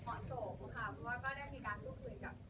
ก็คุณพ่อพี่เคนก็จัดให้ตามเหมาะโสกรู้ไหมครับ